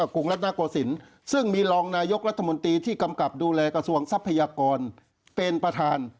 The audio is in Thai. กรุงรัฐนาโกศิลป์ซึ่งมีรองนายกรัฐมนตรีที่กำกับดูแลกระทรวงทรัพยากรเป็นประธาน